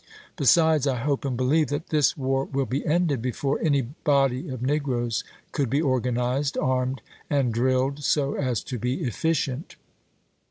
Be sides, I hope and believe that this war will be ended liaifton? before any body of negroes conld be organized, i8^!^V^r. armed, and drilled so as to be efficient."